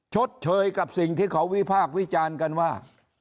ชดเชยกับสิ่งที่เขาวิพากษ์วิจารณ์กันว่า